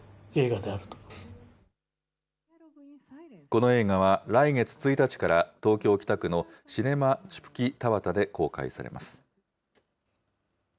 この映画は来月１日から、東京・北区のシネマ・チュプキ・タバタで公開されます。